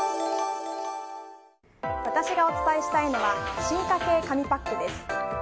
私がお伝えしたいのは進化系紙パックです。